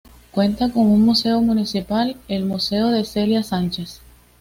Cuenta con un museo municipal, el museo de Celia Sánchez.